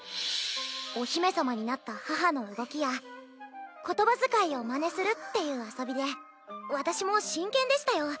お姫様になった母の動きや言葉遣いをまねするっていう遊びで私も真剣でしたよ。